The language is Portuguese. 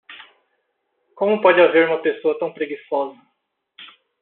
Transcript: Como pode haver uma pessoa tão preguiçosa?